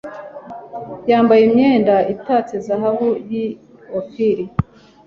yambaye imyenda itatse zahabu y’i Ofiri